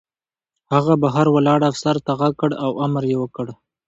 هغه بهر ولاړ افسر ته غږ کړ او امر یې وکړ